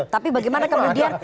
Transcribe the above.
tapi bagaimana kemudian